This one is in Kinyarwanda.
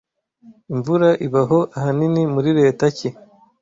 imvura ibaho ahanini muri leta ki